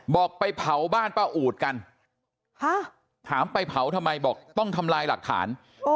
บอกไปเผาบ้านป้าอูดกันถามไปเผาทำไมบอกต้องทำลายหลักฐาน